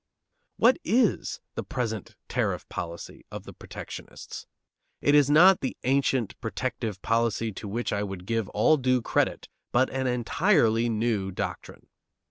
What is the present tariff policy of the protectionists? It is not the ancient protective policy to which I would give all due credit, but an entirely new doctrine.